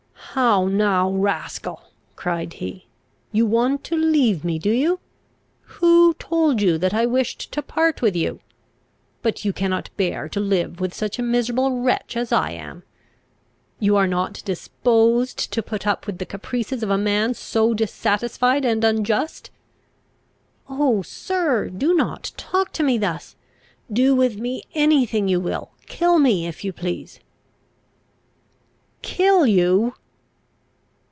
"How now, rascal!" cried he. "You want to leave me, do you? Who told you that I wished to part with you? But you cannot bear to live with such a miserable wretch as I am! You are not disposed to put up with the caprices of a man so dissatisfied and unjust!" "Oh, sir! do not talk to me thus! Do with me any thing you will. Kill me if you please." "Kill you!"